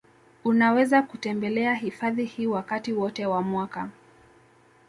Unaweza kutembelea hifadhi hii wakati wote wa mwaka